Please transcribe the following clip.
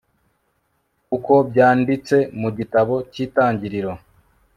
uko byanditse mu gitabo cy'itangiriro